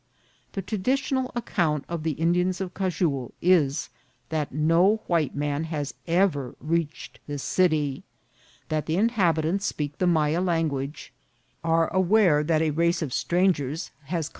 The traditionary account of the Indians of Chajul is, that no white man has ever reached this city ; that the inhabitants speak the Maya language, are aware that a race of strangers has con 196 INCIDENTS or TRAVEL.